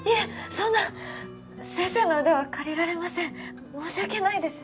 そんな先生の腕は借りられません申し訳ないです